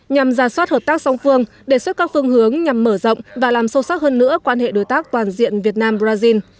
nhằm ra soát hợp tác song phương đề xuất các phương hướng nhằm mở rộng và làm sâu sắc hơn nữa quan hệ đối tác toàn diện việt nam brazil